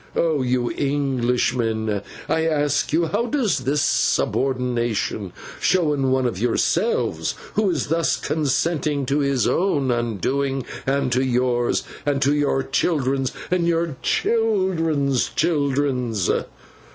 Oh, you Englishmen, I ask you how does this subornation show in one of yourselves, who is thus consenting to his own undoing and to yours, and to your children's and your children's children's?